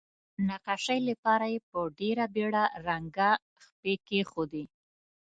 نقاشۍ لپاره یې په ډیره بیړه رنګه خپې کیښودې.